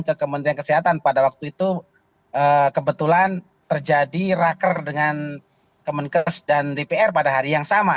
ke kementerian kesehatan pada waktu itu kebetulan terjadi raker dengan kemenkes dan dpr pada hari yang sama